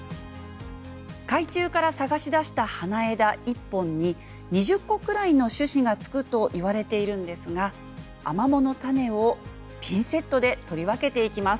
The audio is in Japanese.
海中から探し出した花枝１本に２０個くらいの種子がつくといわれているんですがアマモの種をピンセットで取り分けていきます。